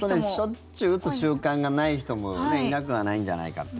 しょっちゅう打つ習慣がない人もいなくはないんじゃないかと。